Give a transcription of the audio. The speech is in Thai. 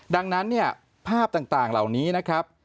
ดังนั้นเนี่ยภาพต่างเหล่านี้นะครับ